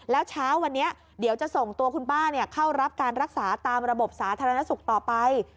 แล้วเช้าวันนี้เดี๋ยวจะส่งตัวคุณป้าเข้ารับการรักษาตามระบบสาธารณสุขต่อไป